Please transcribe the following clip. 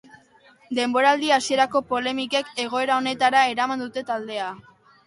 Denboraldi hasierako polemikek egoera honetara eraman dute taldea.